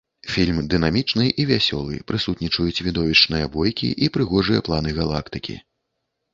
Фільм дынамічны і вясёлы, прысутнічаюць відовішчныя бойкі і прыгожыя планы галактыкі.